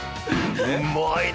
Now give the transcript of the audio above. うまいな！